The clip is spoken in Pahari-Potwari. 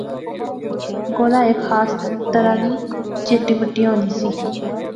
گولا ہیک خاص طرح نی چٹی مٹی ہونی سی